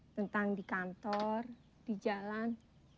tentang di kantor di jalan